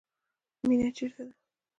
مینه چیرته ده؟